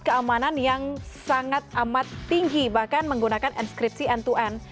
keamanan yang sangat amat tinggi bahkan menggunakan inskripsi end to end